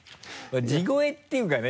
地声っていうかね